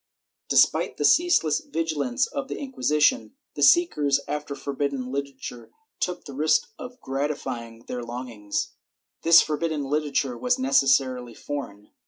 ^ Despite the ceaseless vigilance of the Inquisition, the seekers after forbidden literature took the risk of gratifying their longings. This forbidden literature was necessarily foreign.